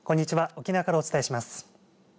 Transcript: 沖縄からお伝えします。